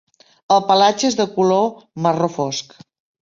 El pelatge és de color marró fosc.